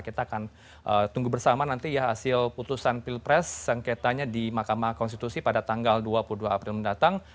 kita akan tunggu bersama nanti ya hasil putusan pilpres sengketanya di mahkamah konstitusi pada tanggal dua puluh dua april mendatang